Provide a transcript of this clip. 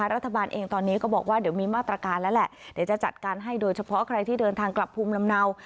รัฐบาลเองตอนนี้ก็บอกว่าเดี๋ยวมีมาตรการแล้วแหละเดี๋ยวจะจัดการให้โดยเฉพาะใครที่เดินทางกลับภูมิลำเนา